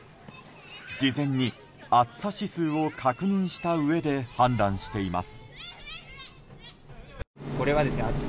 事前に暑さ指数を確認したうえで判断しています。